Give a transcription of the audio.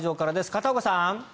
片岡さん。